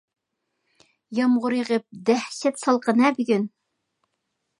يامغۇر يېغىپ دەھشەت سالقىن-ھە بۈگۈن.